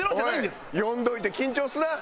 呼んどいて緊張すな！